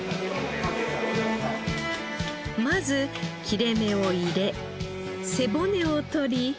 まず切れ目を入れ背骨を取り